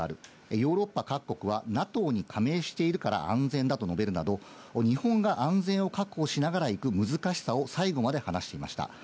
ヨーロッパ各国はＮＡＴＯに加盟しているから安全だと述べるなど、日本が安全を確保しながら行く難しさを最後まで話していました。